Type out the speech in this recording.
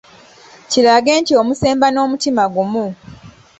Kirage nti omusemba n'omutima gumu.